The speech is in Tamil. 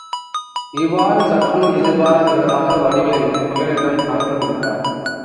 இவ்வாறு சற்றும் எதிர்பாராத விதமாக வடிவேல் குள்ளனிடம் அகப்பட்டுவிட்டார்.